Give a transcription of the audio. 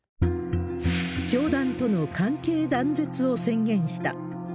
教団との関係断絶を宣言した。